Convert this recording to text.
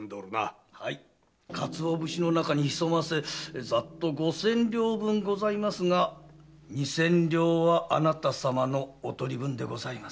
はい鰹節の中に潜ませざっと五千両分ございますが二千両はあなた様のお取り分でございます。